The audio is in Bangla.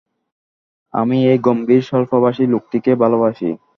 আমি এই গম্ভীর, স্বল্পভাষী লোকটিকে ভালবাসি।